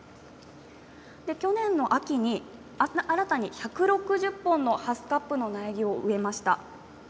去年の秋に新たに１６０本のハスカップの苗木を植えました。